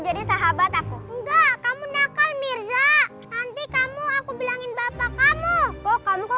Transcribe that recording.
sahabat aku enggak kamu nakal mirza nanti kamu aku bilangin bapak kamu kok kamu kok